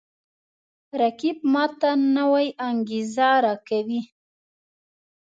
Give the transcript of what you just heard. رقیب ما ته نوی انگیزه راکوي